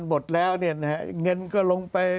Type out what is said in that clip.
หมดแล้วเนี่ยนะฮะเงินก็ลงไป